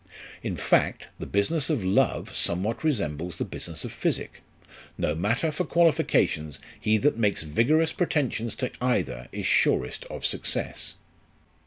In fact, the business of love somewhat resembles the business of physic ; no matter for qualifications, he that makes vigorous pretensions to either is surest of success.